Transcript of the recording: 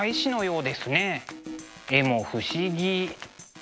絵も不思議。